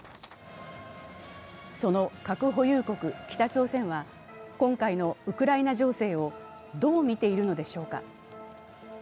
その核保有国・北朝鮮は今回のウクライナ情勢をどう見ているのでしょうか。